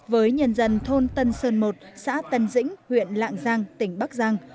với nhân dân thôn tân sơn một xã tân dĩnh huyện lạng giang tỉnh bắc giang